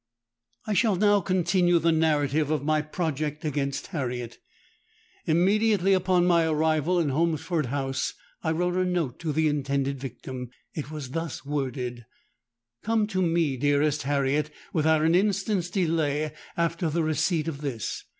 "I shall now continue the narrative of my project against Harriet. Immediately upon my arrival at Holmesford House, I wrote a note to the intended victim: it was thus worded:—'_Come to me, dearest Harriet, without an instant's delay after the receipt of this.